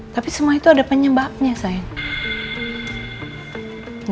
tapi semua itu ada penyebabnya saya